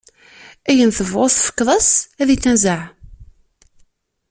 Ayen tebɣiḍ tefkeḍ-as, ad inazeɛ.